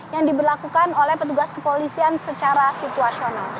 yang diberlakukan oleh petugas kepolisian secara situasional